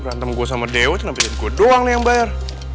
berantem gue sama dewa itu nampilin gue doang nih yang bayar